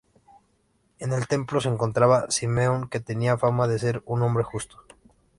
En el templo se encontraba Simeón que tenía fama de ser un hombre justo.